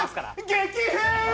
激変！